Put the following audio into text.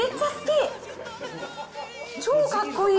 かっこいい。